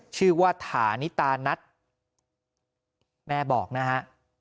ชื่อว่าถานิตานัตรแม่บอกนะฮะ